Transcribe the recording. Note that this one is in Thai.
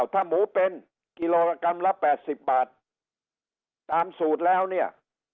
ถ้าหมูเป็นกิโลกรัมละแปดสิบบาทตามสูตรแล้วเนี่ย